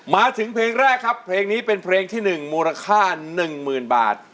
มาถึงเพลงแรกครับเพลงนี้เป็นเพลงที่๑มูลค่า๑๐๐๐บาท